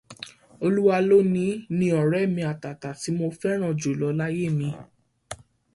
Olúwalóní ni ọ̀rẹ́ mi àtàtà tí mo fẹ́ràn jùlọ láyé mi.